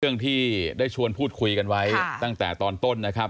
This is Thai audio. เรื่องที่ได้ชวนพูดคุยกันไว้ตั้งแต่ตอนต้นนะครับ